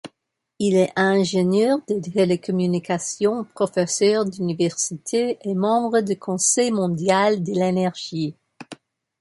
Il est ingénieur des télécommunications, professeur d'université et membre du conseil mondial de l'Énergie.